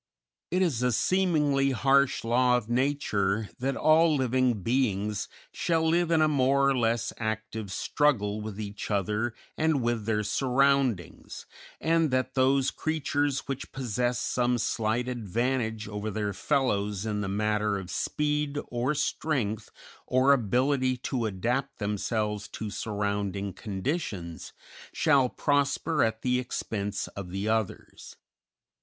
It is a seemingly harsh law of nature that all living beings shall live in a more or less active struggle with each other and with their surroundings, and that those creatures which possess some slight advantage over their fellows in the matter of speed, or strength, or ability to adapt themselves to surrounding conditions, shall prosper at the expense of the others.